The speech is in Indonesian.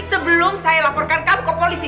sebelum saya laporkan ke polisi